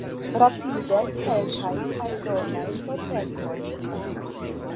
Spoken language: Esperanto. Rapide kelkajn aldonajn notetojn.